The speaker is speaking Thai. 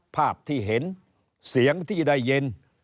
ภาพที่เห็นเสียงที่ได้ยิน